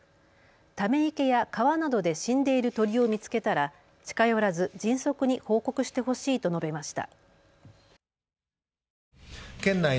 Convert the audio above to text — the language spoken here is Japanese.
ため池や川などで死んでいる鳥を見つけたら近寄らず迅速に報告してほしいと述べました。